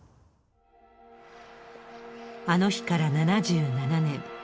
あの日から７７年。